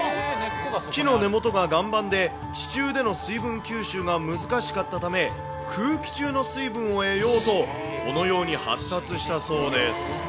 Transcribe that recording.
木の根元が岩盤で、地中での水分吸収が難しかったため、空気中の水分を得ようと、このように発達したそうです。